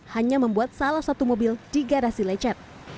hanya membuat salah satu mobil digarasi lecet